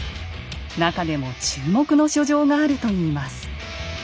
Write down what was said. なかでも注目の書状があるといいます。